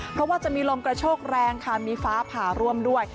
เพราะว่าจะมีลมกระโชกแรงค่ะมีฟ้าผ่าร่วมด้วย